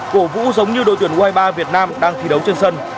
cổ vũ giống như đội tuyển u hai mươi ba việt nam đang thi đấu trên sân